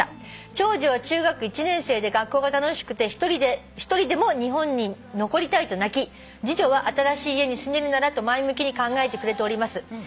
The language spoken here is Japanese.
「長女は中学１年生で『学校が楽しくて１人でも日本に残りたい』と泣き次女は『新しい家に住めるなら』と前向きに考えてくれております」